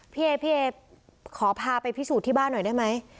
พี่เอพี่เอขอพาไปพิสูจน์ที่บ้านหน่อยได้ไหม